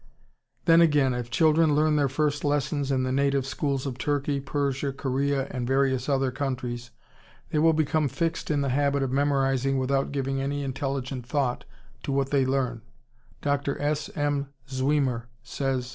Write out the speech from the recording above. ] Then again, if children learn their first lessons in the native schools of Turkey, Persia, Korea, and various other countries, they will become fixed in the habit of memorizing without giving any intelligent thought to what they learn. Dr. S. M.